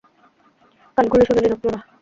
কান খোলে শুনে নিন, আপনারা!